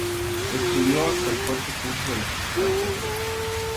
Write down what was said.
Estudió hasta el cuarto curso en la Facultad de Derecho.